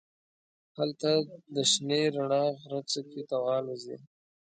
هلته د شنې رڼا غره څوکې ته والوزي.